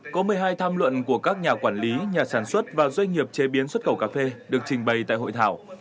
có một mươi hai tham luận của các nhà quản lý nhà sản xuất và doanh nghiệp chế biến xuất khẩu cà phê được trình bày tại hội thảo